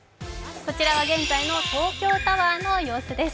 こちらは現在の東京タワーの様子です